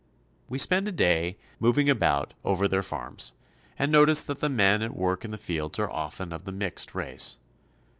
We spend a day moving about over their farms, and notice that the men at work in the fields are often of the mixed race.